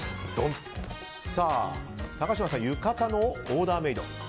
高嶋さん、浴衣のオーダーメイド。